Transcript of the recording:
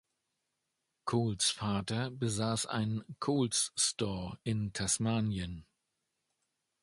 Coles Vater besaß einen „Coles Store“ in Tasmanien.